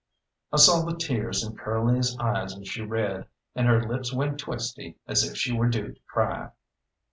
I saw the tears in Curly's eyes as she read, and her lips went twisty as if she were due to cry.